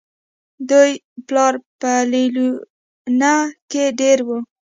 د دوي پلار پۀ ليلونۍ کښې دېره وو